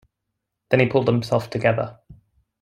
Then he pulled himself together.